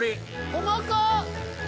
細かっ！